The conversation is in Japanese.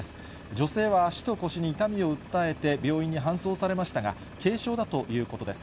女性は足と腰に痛みを訴えて病院に搬送されましたが、軽傷だということです。